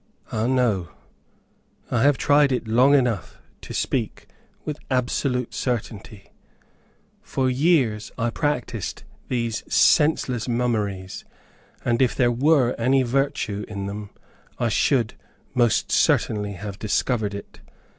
Ah, no! I have tried it long enough to speak with absolute certainty. For years I practiced these senseless mummeries, and if there were any virtue, in them, I should, most certainly have discovered it.